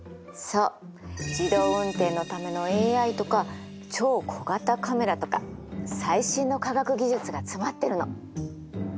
そう自動運転のためのＡＩとか超小型カメラとか最新の科学技術が詰まってるの。